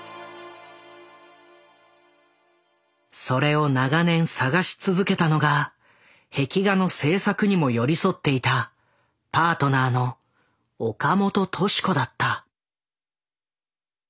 それを長年探し続けたのが壁画の制作にも寄り添っていたパートナーの岡本敏子だった。